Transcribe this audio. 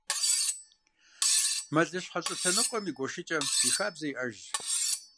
Мэлыщхьэ щӏылъэныкъуэм и гуэшыкӏэм и хабзэ иӏэжщ.